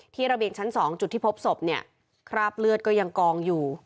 ระเบียงชั้น๒จุดที่พบศพเนี่ยคราบเลือดก็ยังกองอยู่